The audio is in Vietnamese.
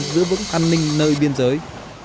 giữ vững an ninh nơi biên giới